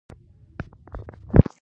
سندره د تل لپاره یاده پاتې شي